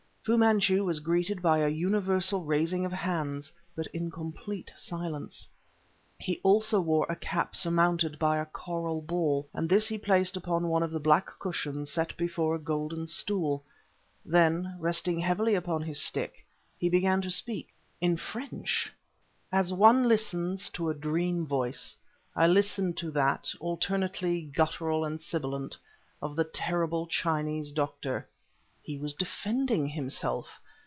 Fu Manchu was greeted by a universal raising of hands, but in complete silence. He also wore a cap surmounted by a coral ball, and this he placed upon one of the black cushions set before a golden stool. Then, resting heavily upon his stick, he began to speak in French! As on listens to a dream voice, I listened to that, alternately gutteral and sibilant, of the terrible Chinese doctor. He was defending himself!